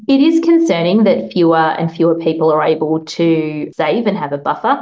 ini menarik bahwa lebih kecil dan lebih kecil orang dapat menabung dan memiliki buffer